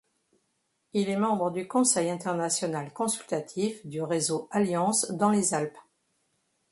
Il est membre du Conseil international consultatif du réseau Alliance dans les Alpes.